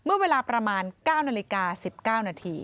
เมื่อเวลาประมาณ๙นาฬิกา๑๙นาที